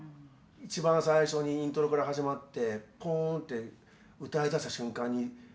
一番最初にイントロから始まってポーンって歌いだした瞬間に。